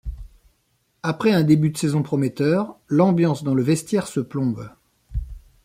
Après un début de saison prometteur, l'ambiance dans le vestiaire se plombe.